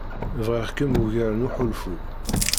Bɣiɣ-kem ugar n uḥulfu.